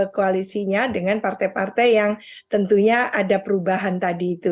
koalisinya dengan partai partai yang tentunya ada perubahan tadi itu